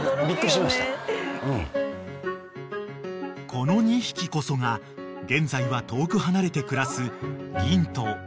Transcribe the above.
［この２匹こそが現在は遠く離れて暮らす］